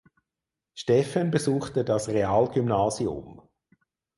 Steffen besuchte das Realgymnasium.